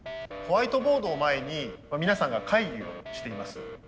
ホワイトボードを前に皆さんが会議をしています。